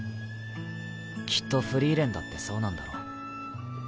きっとフリーレンだってそうなんだろう。